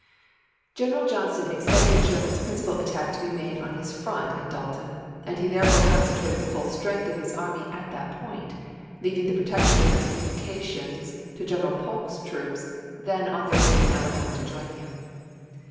General Johnston expected Sherman's princi pal attack to be made on his front at Dalton, and he therefore concentrated the full strength of his army at that point, leaving the protection of his communications to Greneral Polk's troops, then on their way from Alabama to join him.